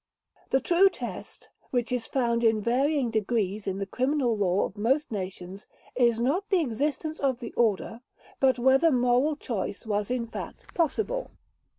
The true test, which is found in varying degrees in the criminal law of most nations, is not the existence of the order, but whether moral choice was in fact possible.